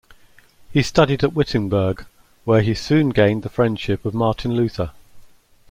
He studied at Wittenberg, where he soon gained the friendship of Martin Luther.